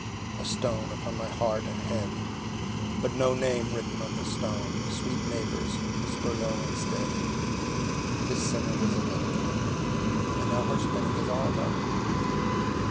A stone upon my heart and head, But no name written on the stone! Sweet neighbours, whisper low instead, "This sinner was a loving one, And now her spinning is all done."